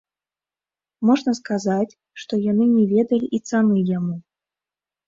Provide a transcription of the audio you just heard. Можна сказаць, што яны не ведалі і цаны яму.